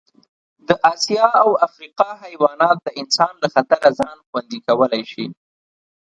د اسیا او افریقا حیواناتو د انسان له خطره ځان خوندي کولی شو.